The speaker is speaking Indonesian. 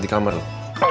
sini pelan pelan